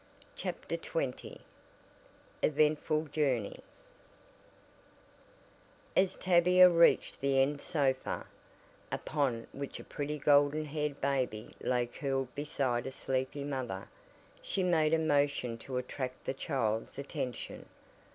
CHAPTER XX EVENTFUL JOURNEY As Tavia reached the end sofa, upon which a pretty golden haired baby lay curled beside a sleepy mother, she made a motion to attract the child's attention.